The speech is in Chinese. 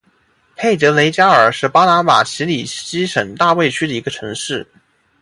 佩德雷加尔是巴拿马奇里基省大卫区的一个城市。